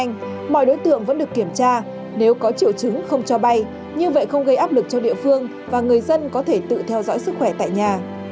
như vậy không gây áp lực cho địa phương và người dân có thể tự theo dõi sức khỏe tại nhà